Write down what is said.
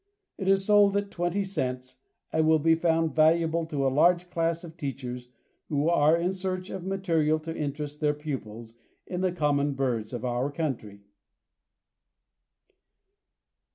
It is sold at 20 cents, and will be found valuable to a large class of teachers who are in search of material to interest their pupils in the common birds of our country.